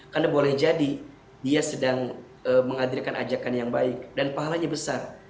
karena boleh jadi dia sedang menghadirkan ajakan yang baik dan pahalanya besar